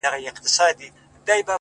• سپېده داغ ته یې د شپې استازی راسي ,